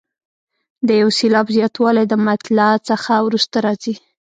د یو سېلاب زیاتوالی د مطلع څخه وروسته راځي.